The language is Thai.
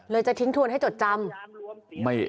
จะทิ้งทวนให้จดจำ